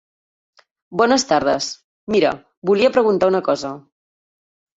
Bones tardes, mira: volia preguntar una cosa.